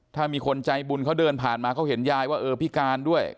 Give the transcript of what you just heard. ถ้ามีคนใจบุญเขาเดินผ่านมาเขาเห็นยายว่าเออพิการด้วย